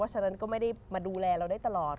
ฉะนั้นก็ไม่ได้มาดูแลเราได้ตลอด